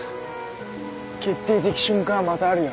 決定的瞬間はまたあるよ。